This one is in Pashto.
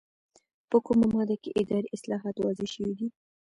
په کومه ماده کې اداري اصلاحات واضح شوي دي؟